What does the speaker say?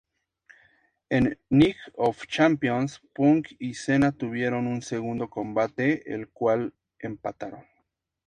En Night of Champions, Punk y Cena tuvieron un segundo combate, el cual empataron.